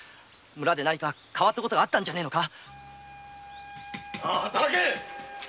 村で何か変わったことでもあったんじゃねぇのか。